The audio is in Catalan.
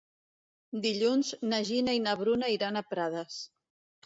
Dilluns na Gina i na Bruna iran a Prades.